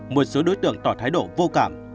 một số đối tượng tỏ thái độ vô cảm